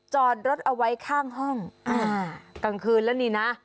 จอดรถเอาไว้ข้างห้องอ่ากลางคืนแล้วนี่นะ